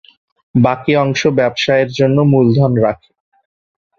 বাকি অংশ ব্যবসায়ের জন্য মূলধন রাখে।